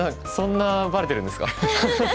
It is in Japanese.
そんなばれてるんですか。